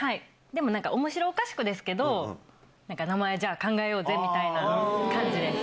でもなんか、おもしろおかしくですけど、名前、じゃあ考えようぜみたいな感じです。